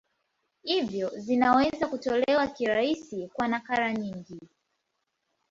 Hivyo vinaweza kutolewa kirahisi kwa nakala nyingi.